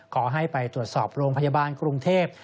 ขอให้ไปตรวจสอบโรงพยาบาลกรุงเทพ